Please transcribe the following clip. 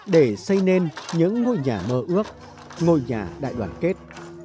để xây nên những ngôi nhà mơ ước ngôi nhà đại đoàn kết